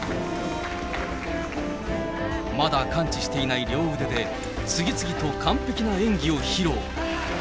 まだ完治していない両腕で、次々と完璧な演技を披露。